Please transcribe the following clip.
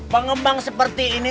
pengembang seperti ini